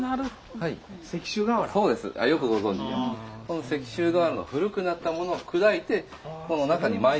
この石州瓦の古くなったものを砕いてこの中にまいてるんですよ。